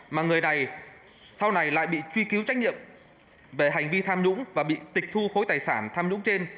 mà người này sau này lại bị truy cứu trách nhiệm về hành vi tham nhũng và bị tịch thu khối tài sản tham nhũng trên